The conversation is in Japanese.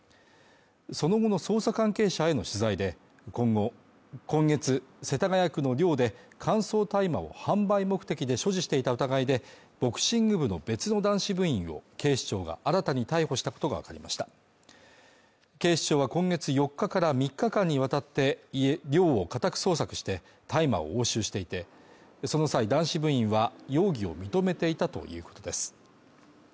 その後の捜査関係者への取材で今月世田谷区の寮で乾燥大麻を販売目的で所持していた疑いでボクシング部の別の男子部員を警視庁が新たに逮捕したことが分かりました警視庁は今月４日から３日間に渡って寮を家宅捜索して大麻を押収していてその際男子部員は容疑を認めていたということです